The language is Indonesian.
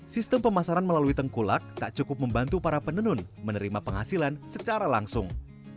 sistem pemasaran melalui tengkulak tak cukup membantu para penenun menerima penghasilan secara langsung